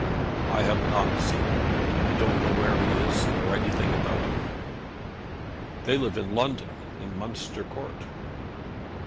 "I have not seen him. I don't know where he is, or anything about him." "They live in London, in Munster Court."